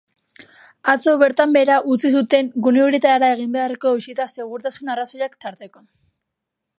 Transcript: Atzo bertan behera utzi zuten gune horietara egin beharreko bisita segurtasun arrazoiak tarteko.